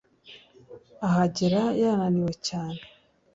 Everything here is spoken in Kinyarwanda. ahagera yananiwe cyane